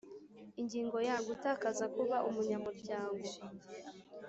Ingingo ya Gutakaza kuba umunyamuryango